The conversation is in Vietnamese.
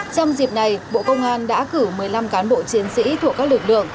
trong dịp này bộ công an đã cử một mươi năm cán bộ chiến sĩ thuộc các lực lượng